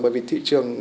bởi vì thị trường